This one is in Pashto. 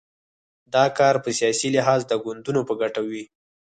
دا کار په سیاسي لحاظ د ګوندونو په ګټه وي.